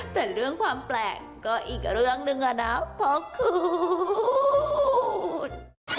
แต่เรื่องความแปลกก็อีกเรื่องหนึ่งอะนะเพราะคุณ